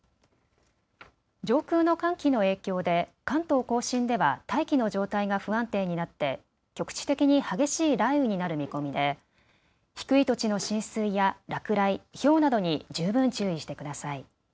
上空の寒気の影響で関東甲信では大気の状態が不安定になって局地的に激しい雷雨になる見込みで低い土地の浸水や落雷、ひょうなどに十分注意してください。